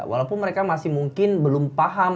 walaupun mereka masih mungkin belum paham